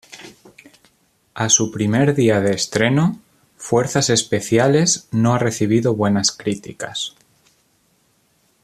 A su primer día de estreno, "Fuerzas Especiales" no ha recibido buenas críticas.